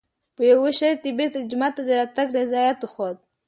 په یوه شرط یې بېرته جومات ته د راتګ رضایت وښود.